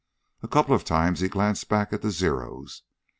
A couple of times he glanced back at the Zeros.